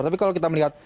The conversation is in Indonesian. tapi kalau kita melihat